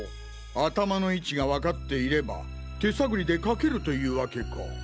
頭の位置がわかっていれば手探りで書けるというわけか。